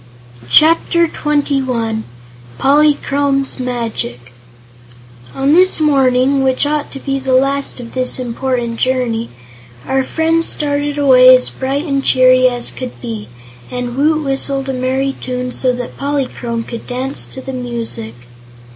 Chapter Twenty One Polychrome's Magic On this morning, which ought to be the last of this important journey, our friends started away as bright and cheery as could be, and Woot whistled a merry tune so that Polychrome could dance to the music.